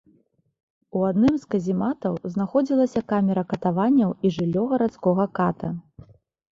У адным з казематаў знаходзілася камера катаванняў і жыллё гарадскога ката.